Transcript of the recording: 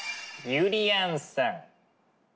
ゆりやんさん